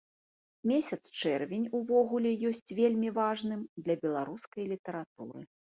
Месяц чэрвень увогуле ёсць вельмі важным для беларускай літаратуры.